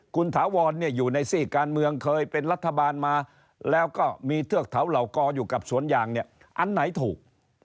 คุณถาวรเนี่ยอยู่ในซี่การเมืองเคยเป็นรัฐบาลมาแล้วก็มีเทือกเขาเหล่ากออยู่กับสวนยางเนี่ยอันไหนถูก